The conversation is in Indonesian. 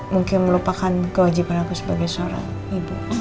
mungkin melupakan kewajiban aku sebagai seorang ibu